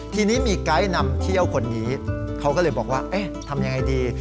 ทีนี้มีไกด์นำเที่ยวคนนี้เขาก็เลยบอกว่าเอ๊ะทำยังไงดี